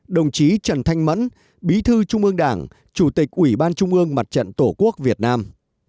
một mươi bảy đồng chí trần thanh mẫn bí thư trung ương đảng chủ tịch ủy ban trung ương mặt trận tổ quốc việt nam